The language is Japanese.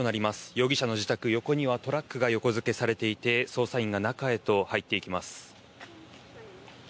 容疑者の自宅、横にはトラックが横付けされていて捜査員が中へと入っていきます。